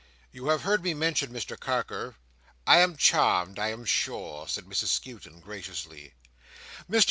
You have heard me mention Mr Carker." "I am charmed, I am sure," said Mrs Skewton, graciously.